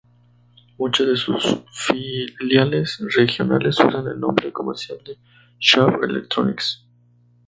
Muchas de sus filiales regionales usan el nombre comercial de "Sharp Electronics".